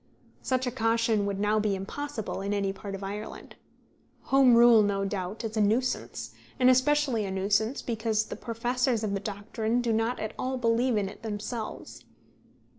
Such a caution would now be impossible in any part of Ireland. Home rule no doubt is a nuisance, and especially a nuisance because the professors of the doctrine do not at all believe it themselves.